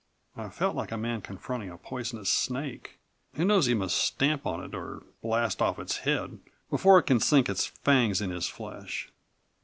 I felt like a man confronting a poisonous snake, who knows he must stamp on it or blast off its head before it can sink its fangs in his flesh.